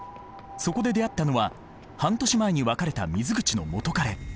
そこで出会ったのは半年前に別れた水口の元カレ。